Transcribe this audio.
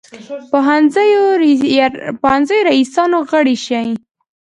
پوهنځیو رییسان غړي شي.